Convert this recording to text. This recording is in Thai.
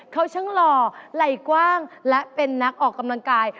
เขาช่างหล่อไหล่กว้างและเป็นนักออกกำลังกาย